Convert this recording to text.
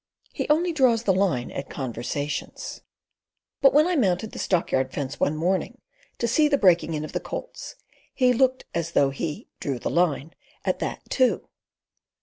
He only draws the line at conversations." But when I mounted the stockyard fence one morning, to see the breaking in of the colts, he looked as though he "drew the line" at that too.